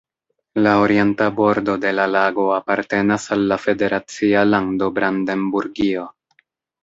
La orienta bordo de la lago apartenas al la federacia lando Brandenburgio.